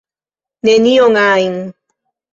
"Nenion ajn."